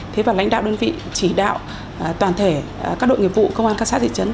thế và lãnh đạo đơn vị chỉ đạo toàn thể các đội nghiệp vụ công an các xã thị trấn